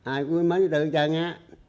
ai cũng mấy chú tư chờ nghe